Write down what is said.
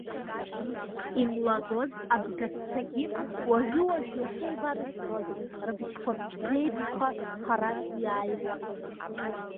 Имлагоз абгассагьы уажәы-уажәы иахьеибарҳәҳәоз, рыбжьқәа аԥсӡы еиԥшха харантә иааҩуан.